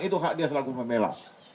itu hak dia selaku pembela